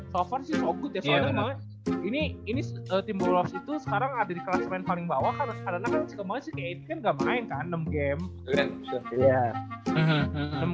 so far sih so good ya soalnya emangnya ini tim ball rox itu sekarang ada di kelas main paling bawah karena kan sekarang kelas main ke delapan kan gak main kan enam game